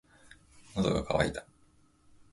喉が渇いた。